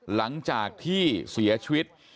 หลังจากที่เสียชีวิต